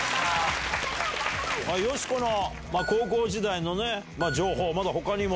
よしこの高校時代の情報、まだほかにも。